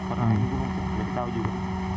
pernah minggu mungkin tidak di tahu juga